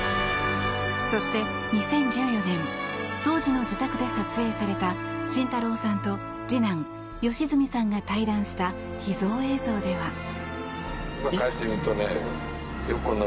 そして、２０１４年当時の自宅で撮影された慎太郎さんと次男・良純さんが対談した、秘蔵映像では。